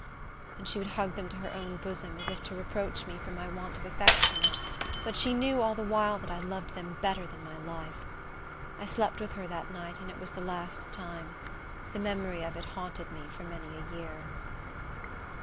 And she would hug them to her own bosom, as if to reproach me for my want of affection; but she knew all the while that I loved them better than my life. I slept with her that night, and it was the last time. The memory of it haunted me for many a year.